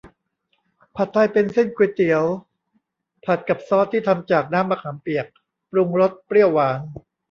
ผัดไทยเป็นเส้นก๋วยเตี๋ยวผัดกับซอสที่ทำจากน้ำมะขามเปียก ปรุงรสเปรี้ยวหวาน